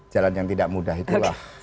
jalan yang tidak mudah itulah